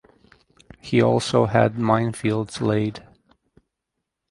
He also had minefields laid.